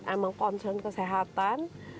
emang concern kesehatan